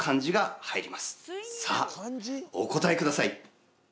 さあお答えください！